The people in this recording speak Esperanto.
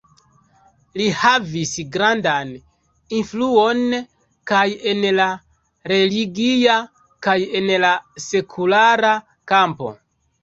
Li havis grandan influon kaj en la religia kaj en la sekulara kampo.